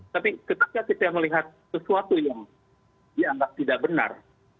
tapi ketika kita melihat sesuatu yang dianggap tidak benar